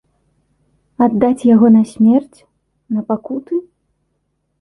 Аддаць яго на смерць, на пакуты?